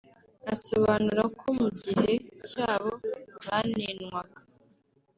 Asobanura ko mu gihe cyabo banenwaga